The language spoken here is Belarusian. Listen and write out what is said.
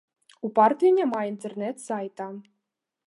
У партыі няма інтэрнэт сайта.